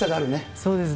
そうですね。